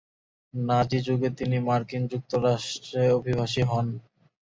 নাজি যুগে তিনি মার্কিন যুক্তরাষ্ট্রে অভিবাসী হন।